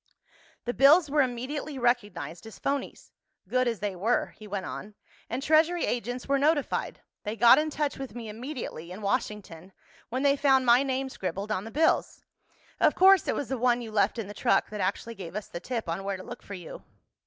"The bills were immediately recognized as phonies—good as they were," he went on, "and Treasury agents were notified. They got in touch with me immediately, in Washington, when they found my name scribbled on the bills. Of course it was the one you left in the truck that actually gave us the tip on where to look for you."